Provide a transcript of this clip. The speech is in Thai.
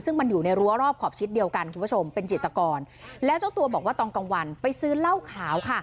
ซึ่งมันอยู่ในรั้วรอบขอบชิดเดียวกันคุณผู้ชมเป็นจิตกรแล้วเจ้าตัวบอกว่าตอนกลางวันไปซื้อเหล้าขาวค่ะ